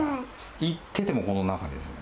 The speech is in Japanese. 行っててもこの中ですね。